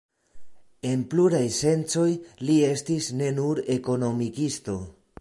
En pluraj sencoj li estis ne nur ekonomikisto.